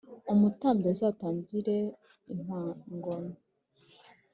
Umutambyi azatangire impongano